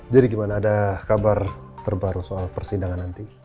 jadi gimana ada kabar terbaru soal persidangan nanti